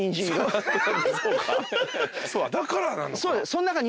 だからなのか。